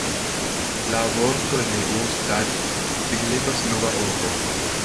La vorto Neustadt signifas "nova urbo".